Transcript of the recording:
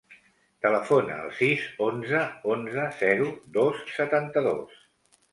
Telefona al sis, onze, onze, zero, dos, setanta-dos.